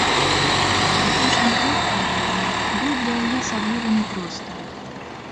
Апошні год, кажа яна, быў для яе асабліва няпростым.